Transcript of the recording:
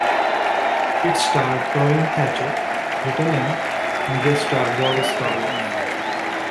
It starred Torin Thatcher, Rita Lynn, and guest star Boris Karloff.